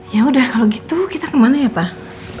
yaudah kalau gitu kita kemana ya pak